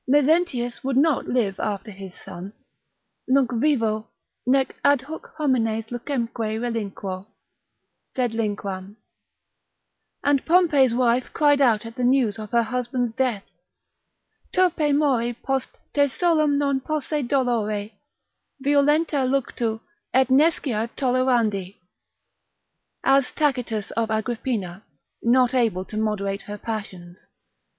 Mezentius would not live after his son: Nunc vivo, nec adhuc homines lucemque relinquo, Sed linquam——— And Pompey's wife cried out at the news of her husband's death, Turpe mori post te solo non posse dolore, Violenta luctu et nescia tolerandi, as Tacitus of Agrippina, not able to moderate her passions.